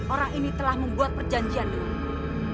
orang ini telah membuat perjanjian dulu